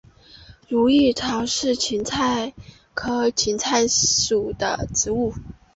如意草为堇菜科堇菜属的植物。